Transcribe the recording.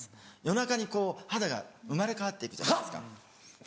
夜中に肌が生まれ変わって行くじゃないですか。